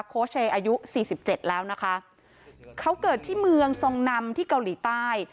โค้ชเชย์อายุสี่สิบเจ็ดแล้วนะคะเขาเกิดที่เมืองทรงนำที่เกาหลีใต้